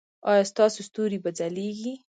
ایا ستاسو ستوري به ځلیږي؟